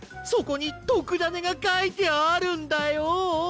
そこにとくダネがかいてあるんだよ！